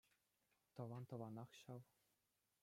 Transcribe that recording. Тӑван тӑванах ҫав.